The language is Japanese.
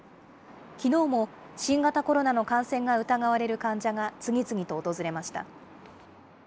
きのうも、新型コロナの感染が疑われる患者が次々と訪れました。